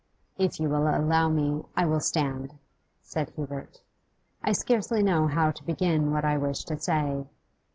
'If you will allow me, I will stand,' said Hubert. 'I scarcely know how to begin what I wish to say.